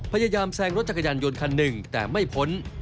พยายามแซงรถจักรยานยนต์คันหนึ่งแต่ไม่พ้น